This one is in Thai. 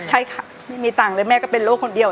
ใช่ค่ะไม่มีตังค์เลยแม่ก็เป็นโรคคนเดียว